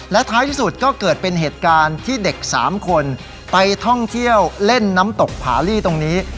และท้ายที่สุดก็เกิดเป็นเหตุการณ์ที่เด็ก๓คนไปท่องเที่ยวเล่นน้ำตกผาลี่ตรงนี้